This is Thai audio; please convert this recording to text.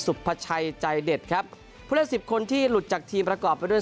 พชัยใจเด็ดครับผู้เล่นสิบคนที่หลุดจากทีมประกอบไปด้วย